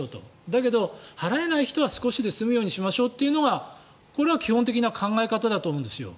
だけど、払えない人は少しで済むようにしましょうというのがこれは基本的な考え方だと思うんですよ。